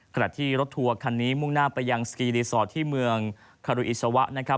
เมื่อรถทัวร์คันนี้มุ่งหน้าไปยังสคีรีสอร์ทที่เมืองคารูอีซาวะ